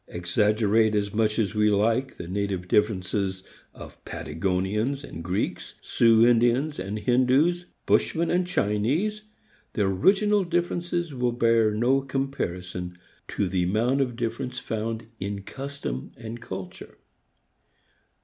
Exaggerate as much as we like the native differences of Patagonians and Greeks, Sioux Indians and Hindoos, Bushmen and Chinese, their original differences will bear no comparison to the amount of difference found in custom and culture.